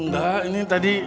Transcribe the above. enggak ini tadi